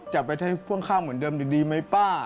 จะไปใช้พ่วงข้างเหมือนเดิมดีไหมป้า